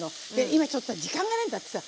今ちょっとさ時間がないんだってさ。